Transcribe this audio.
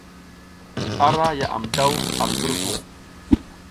Ara yaʼam daw ar ngurvung.